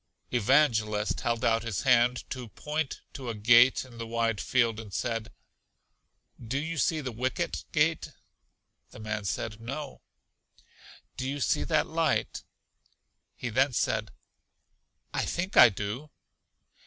Evangelist held out his hand to point to a gate in the wide field, and said, Do you see the Wicket Gate? The man said, No. Do you see that light? He then said, I think I do.